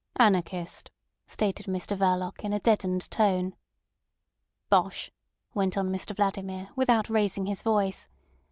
"Anarchist," stated Mr Verloc in a deadened tone. "Bosh!" went on Mr Vladimir, without raising his voice.